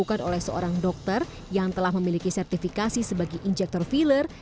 dilakukan oleh seorang dokter yang telah memiliki sertifikasi sebagai injektor filler